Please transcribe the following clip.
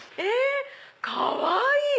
かわいい！